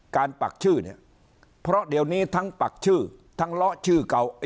ปักชื่อเนี่ยเพราะเดี๋ยวนี้ทั้งปักชื่อทั้งเลาะชื่อเก่า